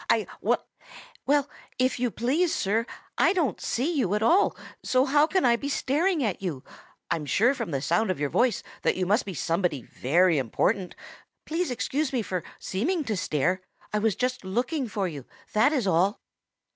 I I well, if you please, Sir, I don't see you at all, so how can I be staring at you? I'm sure from the sound of your voice that you must be somebody very important. Please excuse me for seeming to stare. I was just looking for you, that is all."